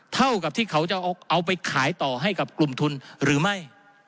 เท่ากับที่เขาจะเอาไปขายต่อให้กับกลุ่มทุนหรือไม่